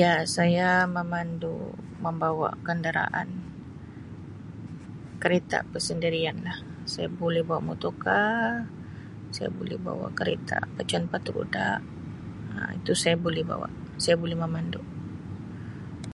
"Ya, saya memandu membawa kenderaan kereta persendirianlah, saya boleh bawa ""motorcar"", saya boleh bawa kereta pacuan empat roda Um itu saya boleh bawa, saya boleh memandu."